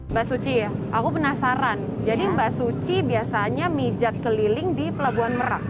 mbak suci ya aku penasaran jadi mbak suci biasanya mijat keliling di pelabuhan merak